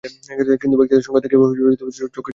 কিন্তু, ব্যক্তিত্বের সংঘাতে কেউ চোখে চোখ রাখতেন না।